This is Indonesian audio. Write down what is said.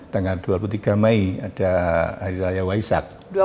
tanggal dua puluh tiga mei ada hari raya waisak